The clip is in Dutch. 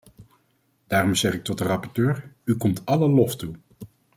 Daarom zeg ik tot de rapporteur: u komt alle lof toe!